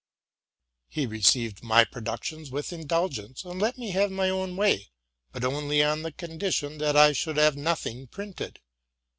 He received my pr oductions with indulgence, and let me have my own way, but only on the condition that I should have nothing printed.